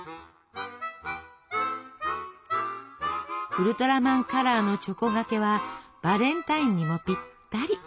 ウルトラマンカラーのチョコがけはバレンタインにもピッタリ。